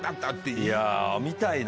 いや見たいな。